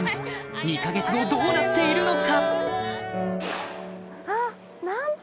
２か月後どうなっているのか？